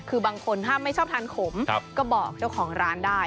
คือบางคนถ้าไม่ชอบทานขมก็บอกเจ้าของร้านได้